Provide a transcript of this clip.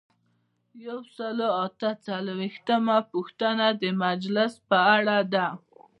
یو سل او اته څلویښتمه پوښتنه د مجلس په اړه ده.